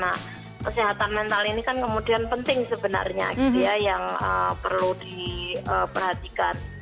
nah kesehatan mental ini kan kemudian penting sebenarnya gitu ya yang perlu diperhatikan